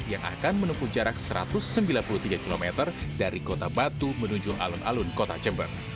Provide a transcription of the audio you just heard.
yang akan menempuh jarak satu ratus sembilan puluh tiga km dari kota batu menuju alun alun kota jember